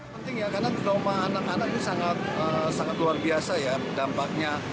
penting ya karena trauma anak anak ini sangat luar biasa ya dampaknya